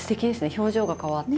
表情が変わって。